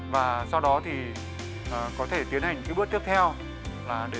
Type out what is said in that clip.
và sau đó thì có thể tiến hành cái bước tiếp theo là để khử trùng nước